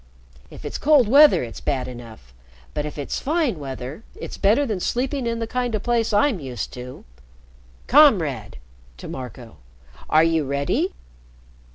If it's cold weather, it's bad enough but if it's fine weather, it's better than sleeping in the kind of place I'm used to. Comrade," to Marco, "are you ready?"